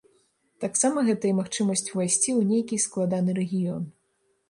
Таксама гэта і магчымасць увайсці ў нейкі складаны рэгіён.